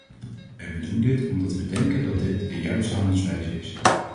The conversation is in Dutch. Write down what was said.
En we doen dit omdat we denken dat dit de juiste handelswijze is.